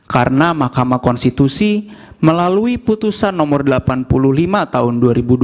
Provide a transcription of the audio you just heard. karena mahkamah konstitusi melalui putusan nomor delapan puluh lima tahun dua ribu dua puluh dua